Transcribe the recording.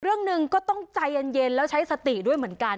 เรื่องหนึ่งก็ต้องใจเย็นแล้วใช้สติด้วยเหมือนกัน